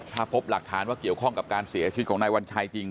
ถ้าพบหลักฐานว่าเกี่ยวข้องกับการเสียชีวิตของนายวัญชัยจริง